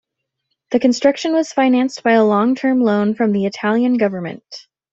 The construction was financed by a long term loan from the Italian government.